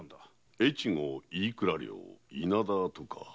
越後飯倉領稲田とか。